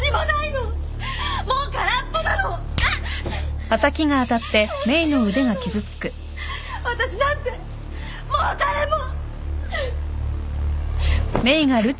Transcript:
わたしなんてもう誰も。